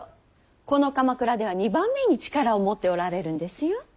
この鎌倉では２番目に力を持っておられるんですよ。